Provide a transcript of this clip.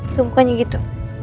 tunggu hanya gitu